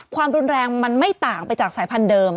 ความรุนแรงมันไม่ต่างไปจากสายพันธุเดิม